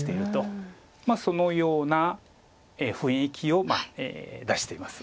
まあそのような雰囲気を出しています。